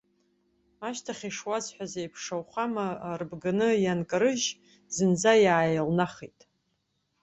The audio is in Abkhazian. Ашьҭахь, ишуасҳәаз еиԥш, ауахәама рбганы ианкарыжь, зынӡа иааилнахит.